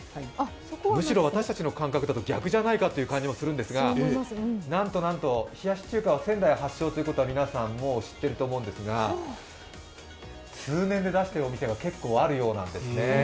むしろ私たちの感覚だと逆じゃないかという感じもするんですがなんとなんと、冷やし中華は仙台発祥ということは皆さん知ってると思うんですが通年で出しているお店が結構あるようなんですね。